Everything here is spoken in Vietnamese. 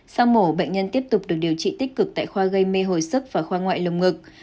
sau mổ bệnh nhân tiếp tục được điều trị tích cực tại khoa gây mê hồi sức và khoa ngoại lồng ngực